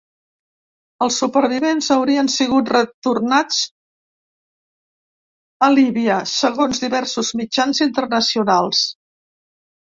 Els supervivents haurien sigut retornats a Líbia, segons diversos mitjans internacionals.